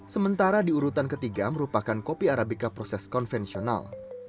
sementara di urutan ketiga merupakan kopi arabica proses konvensional